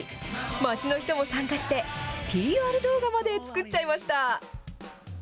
町の人も参加して、ＰＲ動画まで作っちゃいました。